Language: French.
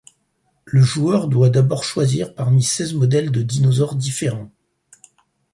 Le joueur doit d'abord choisir parmi seize modèles de dinosaures différents.